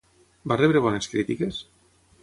Va rebre bones crítiques?